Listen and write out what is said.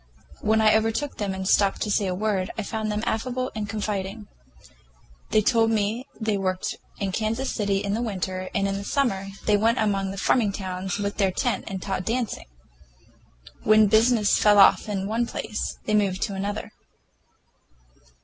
When I overtook them and stopped to say a word, I found them affable and confiding. They told me they worked in Kansas City in the winter, and in summer they went out among the farming towns with their tent and taught dancing. When business fell off in one place, they moved on to another.